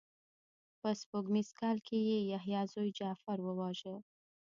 په سپوږمیز کال کې یې یحیی زوی جغفر وواژه.